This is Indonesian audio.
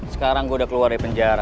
sekarang gue udah keluar dari penjara